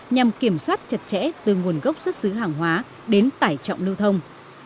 nhằm kiểm soát chặt chẽ từ nguồn gốc xuất xứ hàng hóa đến tải trọng lưu thông